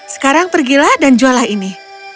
sekarang pergilah dan juallah ini